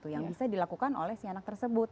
yang bisa dilakukan oleh si anak tersebut